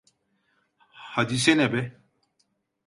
Hadisene be!